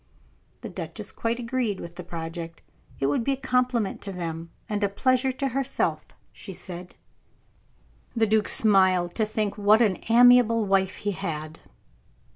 The duchess quite agreed with the project. It would be a compliment to them, and a pleasure to herself, she said. The duke smiled to think what an amiable wife he had.